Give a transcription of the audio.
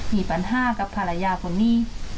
มีปัญหากับภรรยาคนนี้